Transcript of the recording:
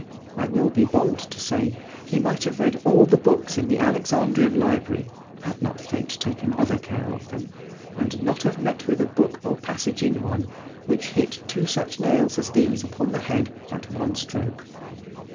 ——I will be bold to say, he might have read all the books in the Alexandrian Library, had not fate taken other care of them, and not have met with a book or passage in one, which hit two such nails as these upon the head at one stroke.